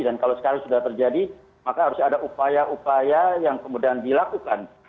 dan kalau sekarang sudah terjadi maka harus ada upaya upaya yang kemudian dilakukan